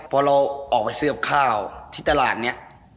พอเราออกไปซื้อกับข้าวที่ตลาดนี้